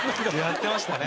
やってましたね。